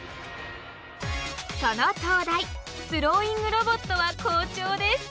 その東大スローイングロボットは好調です。